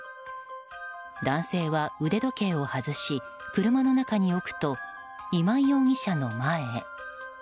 男性は腕時計を外し車の中に置くと今井容疑者の前へ。